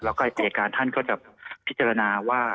แล้วก็อายการท่านก็จะพิจารณาว่า